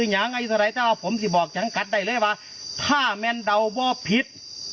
อย่างอายุตรรายเจ้าผมสิบอกจังต์กัดได้เลยว่าถ้ามันเดาบ่ผิด